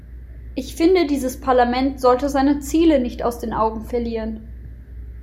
Ich finde, dieses Parlament sollte seine Ziele nicht aus den Augen verlieren.